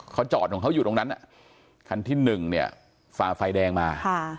เขาจอดของเขาอยู่ตรงนั้นคันที่หนึ่งเนี่ยฝ่าไฟแดงมา